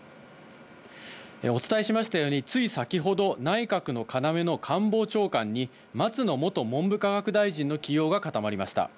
お伝えしましたように、つい先ほど、内閣の要の官房長官に、松野元文部科学大臣の起用が固まりました。